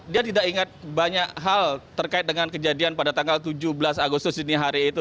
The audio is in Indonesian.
dia tidak ingat banyak hal terkait dengan kejadian pada tanggal tujuh belas agustus dini hari itu